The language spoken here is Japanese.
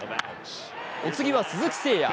お次は鈴木誠也。